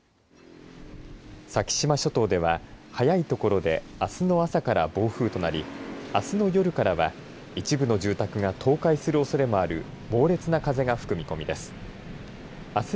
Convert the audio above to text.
先島諸島では早い所で、あすの朝から暴風となりあすの夜からは一部の住宅が倒壊するおそれもある猛烈な風が吹く見込みです。